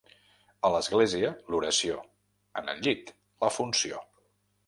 A l'església, l'oració; en el llit, la funció.